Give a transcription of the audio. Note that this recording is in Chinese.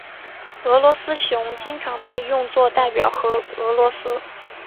俄罗斯熊经常被用作代表俄罗斯。